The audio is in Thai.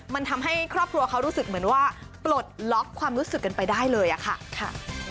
มันทำให้ครอบครัวเขารู้สึกเหมือนว่าปลดล็อกความรู้สึกกันไปได้เลยค่ะ